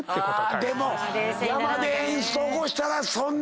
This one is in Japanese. でも山でエンスト起こしたらそんな。